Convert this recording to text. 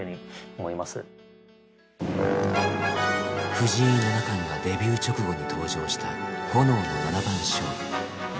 藤井七冠がデビュー直後に登場した炎の七番勝負。